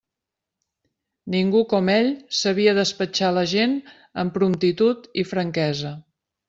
Ningú com ell sabia despatxar la gent amb promptitud i franquesa.